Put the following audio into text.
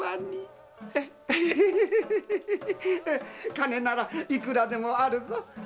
金ならいくらでもあるぞ。